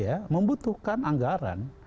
itu pasti membutuhkan anggaran